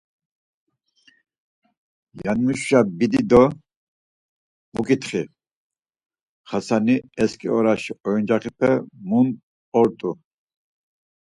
Yanimuşisa bidi do buǩitxi, Xasani, eski oraşi oyuncağepe mun ort̆u?